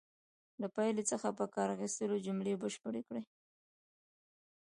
له پایلې څخه په کار اخیستلو جملې بشپړې کړئ.